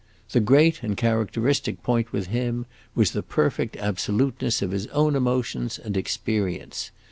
The great and characteristic point with him was the perfect absoluteness of his own emotions and experience.